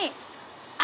あ！